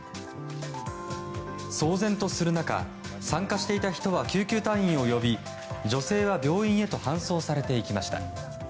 騒然とする中、参加していた人は救急隊員を呼び女性は病院へと搬送されていきました。